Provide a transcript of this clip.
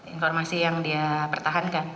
informasi yang dia pertahankan